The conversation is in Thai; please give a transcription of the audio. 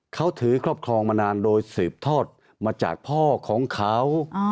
เขาถือครอบครองมานานโดยสืบทอดมาจากพ่อของเขา